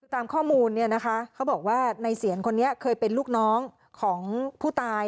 ตามข้อมูลเนี่ยนะคะเขาบอกว่าในเสียนคนนี้เคยเป็นลูกน้องของผู้ตาย